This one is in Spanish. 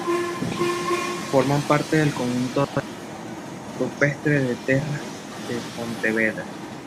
Forman parte del conjunto de arte rupestre de Terras de Pontevedra.